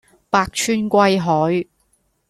百川歸海